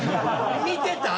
見てた？